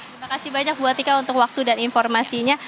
terima kasih banyak bu atika untuk waktu dan informasinya